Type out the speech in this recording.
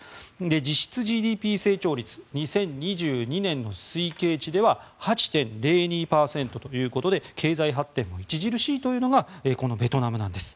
実質ＧＤＰ成長率２０２２年の推計値では８．０２％ということで経済発展も著しいというのがこのベトナムなんです。